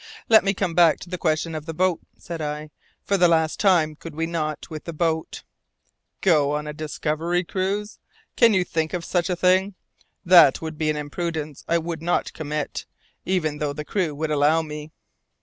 "Let me come back to the question of the boat," said I, "for the last time. Could we not, with the boat " "Go on a discovery cruise? Can you think of such a thing? That would be an imprudence I would not commit, even though the crew would allow me."